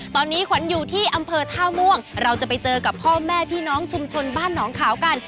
ตอนนี้ขวัญอยู่ที่อำเภอท่าม่วงเราจะไปเจอกับพ่อแม่พี่น้องชุมชนบ้านหนองขาวกัน